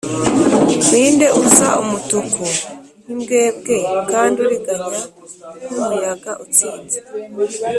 ninde uza umutuku nkimbwebwe kandi uriganya nkumuyaga utsinze.